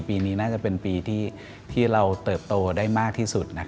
ปีนี้น่าจะเป็นปีที่เราเติบโตได้มากที่สุด